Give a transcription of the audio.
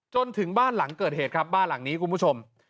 จนถึงบ้านหลังเกิดเหตุครับบ้านหลังนี้คุณผู้ชม